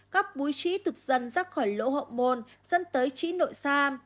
các búi trĩ tục dần ra khỏi lỗ hậu môn dẫn tới trĩ nội sa